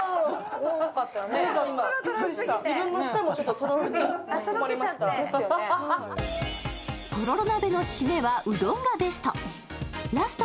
とろろ鍋の締めはうどんがベスト。